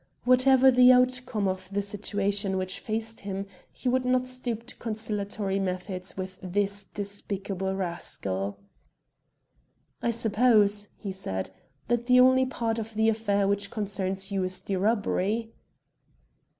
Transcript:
Whatever the outcome of the situation which faced him, he would not stoop to conciliatory methods with this despicable rascal. "I suppose," he said, "that the only part of the affair which concerns you is the robbery."